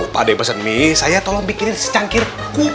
pak d pesen mie saya tolong bikinin secangkir kupi